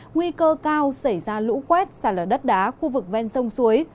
nguy cơ cao xảy ra lũ quét xả lở đất đá khu vực ven sông suối